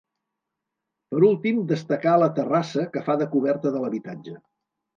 Per últim destacar la terrassa que fa de coberta de l'habitatge.